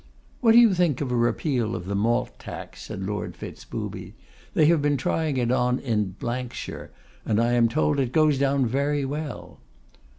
'What do you think of a repeal of the Malt Tax?' said Lord Fitz Booby. 'They have been trying it on in shire, and I am told it goes down very well.